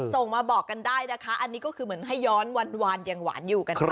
ส่งมาบอกกันได้นะคะอันนี้ก็คือเหมือนให้ย้อนหวานยังหวานอยู่กันได้